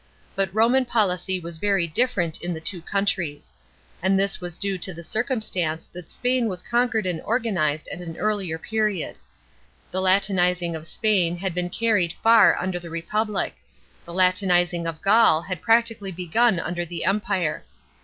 But Roman policy was very different in the two countries ; and this was due to the circumstance that Spain was conquered and organised at an earlier period. The Latinizing of Spain had been carried far under the Republic ; the Latinizing of Gaul had practically begun under the Empire.